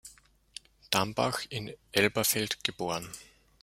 Dambach in Elberfeld geboren.